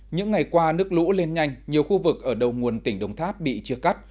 những ngày qua nước lũ lên nhanh nhiều khu vực ở đầu nguồn tỉnh đồng tháp bị chia cắt